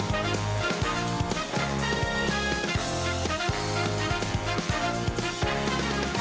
โปรดติดตามตอนต่อไป